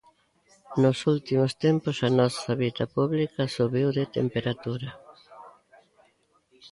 Nos últimos tempos a nosa vida pública subiu de temperatura.